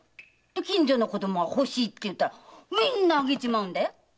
近所の子供が「欲しい」って言えばみんなあげちまうんだよ。